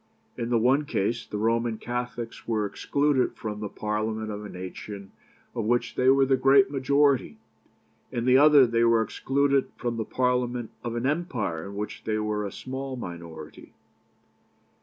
In the one case, the Roman Catholics were excluded from the Parliament of a nation of which they were the great majority; in the other, they were excluded from the Parliament of an empire in which they were a small minority.